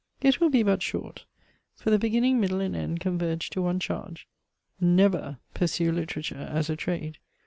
It will be but short; for the beginning, middle, and end converge to one charge: never pursue literature as a trade.